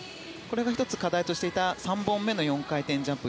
１つ課題としていた３本目の４回転ジャンプ。